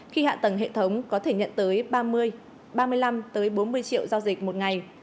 khi hạ tầng hệ thống có thể nhận tới ba mươi ba mươi năm tới bốn mươi triệu giao dịch một ngày